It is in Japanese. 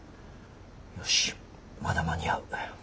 よしまだ間に合う。